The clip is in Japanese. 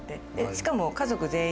しかも。